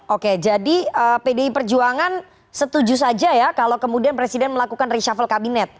oke jadi pdi perjuangan setuju saja ya kalau kemudian presiden melakukan reshuffle kabinet